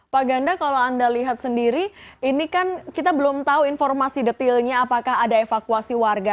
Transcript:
pak ganda kalau anda lihat sendiri ini kan kita belum tahu informasi detilnya apakah ada evakuasi warga